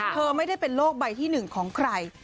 เธอไม่ได้เป็นโรคใบที่๑ของใคร